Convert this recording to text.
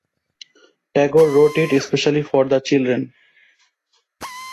Tagore wrote it especially for the children.